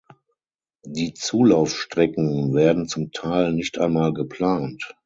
Die Zulaufstrecken werden zum Teil nicht einmal geplant.